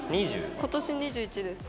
今年２１です。